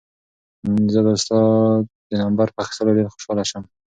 زه به ستا د نمبر په اخیستلو ډېر خوشحاله شم.